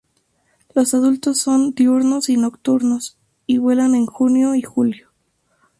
Los adultos son diurnos y nocturnos, y vuelan en junio y julio.